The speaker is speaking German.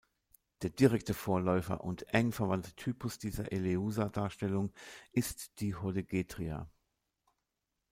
Der direkte Vorläufer und eng verwandte Typus dieser Eleusa-Darstellung ist die Hodegetria.